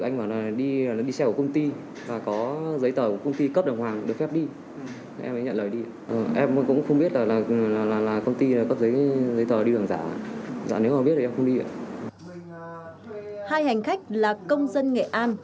hai hành khách là công dân nghệ an